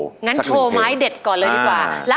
งั้นโชว์ไม้เด็ดก่อนเลยดีกว่า